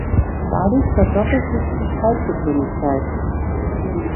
Dadurch verdoppelt sich die Schreibgeschwindigkeit.